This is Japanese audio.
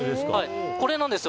これなんですよ。